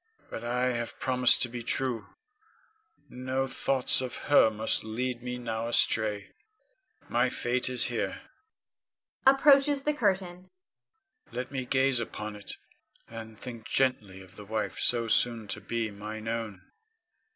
But I have promised to be true, no thoughts of her must lead me now astray. My fate is here [approaches the curtain]. Let me gaze upon it, and think gently of the wife so soon to be mine own.